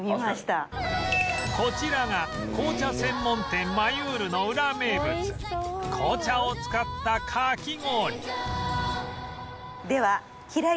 こちらが紅茶専門店マユールのウラ名物紅茶を使ったかき氷